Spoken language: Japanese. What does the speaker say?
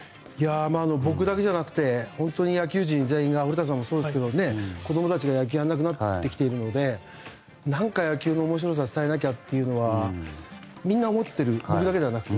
僕だけじゃなくて野球人全員が古田さんもそうですが子供たちが野球をやらなくなってきているので野球の面白さを伝えなきゃというのはみんな思っている僕だけではなくて。